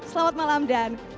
selamat malam dan selamat malam